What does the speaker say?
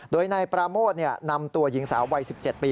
โดยนายปราโมทนำตัวหญิงสาววัย๑๗ปี